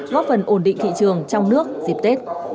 góp phần ổn định thị trường trong nước dịp tết